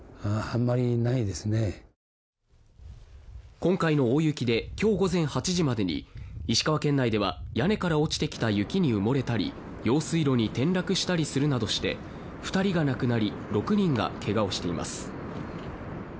今回の大雪で今日午前８時までに石川県内では屋根から落ちてきた雪に埋もれたり、用水路に転落したりするなどして２人が亡くなり、６人がけがをしています。